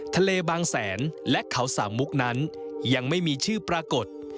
บางแสนและเขาสามมุกนั้นยังไม่มีชื่อปรากฏ